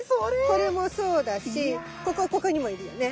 これもそうだしここにもいるよね。